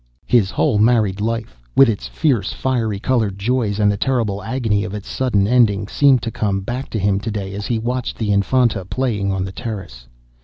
His whole married life, with its fierce, fiery coloured joys and the terrible agony of its sudden ending, seemed to come back to him to day as he watched the Infanta playing on the terrace.